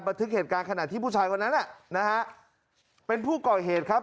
ทึกเหตุการณ์ขณะที่ผู้ชายคนนั้นน่ะนะฮะเป็นผู้ก่อเหตุครับ